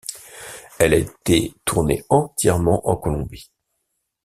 Elle a été tournée entièrement en Colombie.